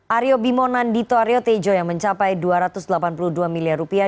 aryo bimonan dito aryo tejo yang mencapai dua ratus delapan puluh dua miliar rupiah